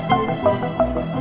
yang benar benar biarkan